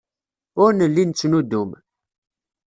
Ur nelli nettnuddum.